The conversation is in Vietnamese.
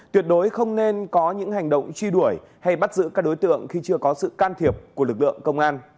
tuyệt đối không nên có những hành động truy đuổi hay bắt giữ các đối tượng khi chưa có sự can thiệp của lực lượng công an